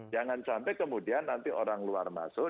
jangan sampai kemudian nanti orang luar masuk